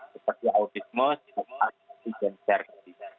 seperti autisme pencernaan dan pencernaan